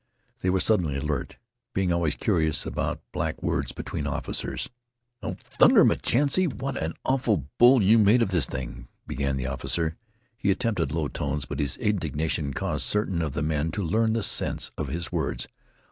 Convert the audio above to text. They were suddenly alert, being always curious about black words between officers. "Oh, thunder, MacChesnay, what an awful bull you made of this thing!" began the officer. He attempted low tones, but his indignation caused certain of the men to learn the sense of his words.